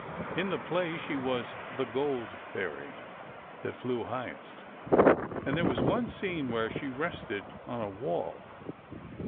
In the play, she was the "Gold Fairy," that flew highest. And there was one scene where she rested on a wall.